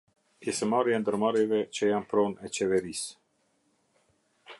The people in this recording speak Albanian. Pjesëmarrja e ndërmarrjeve që janë pronë e qeverisë.